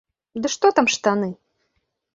Ды што там штаны.